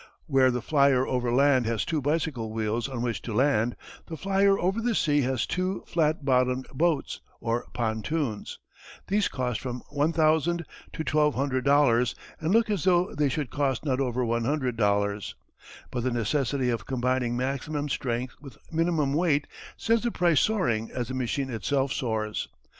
Where the flyer over land has two bicycle wheels on which to land, the flyer over the sea has two flat bottomed boats or pontoons. These cost from $1000 to $1200 and look as though they should cost not over $100. But the necessity of combining maximum strength with minimum weight sends the price soaring as the machine itself soars.